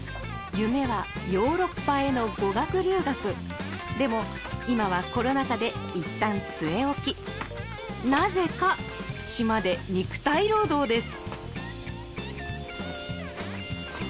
夢はヨーロッパへの語学留学でも今はコロナ禍でいったん据え置きなぜか島で肉体労働です